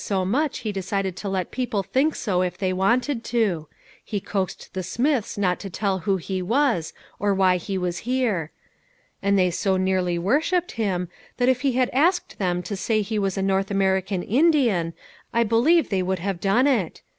so much he decided to let people think so if they wanted to ; he coaxed the Smiths not to tell who he was, or why he was here ; and they so nearly woi shipped him, that if he had asked them to say he was a North American Indian I believe they would have done it.